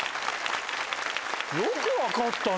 よく分かったね。